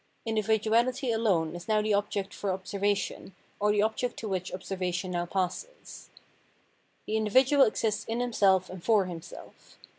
Individuahty alone is now the object for observa tion, or the object to which observation now passes. The individual exists in himself and for himself.